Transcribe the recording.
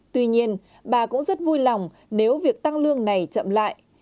tuy nhiên bà cũng rất vui lòng nếu việc tăng lương này chậm lại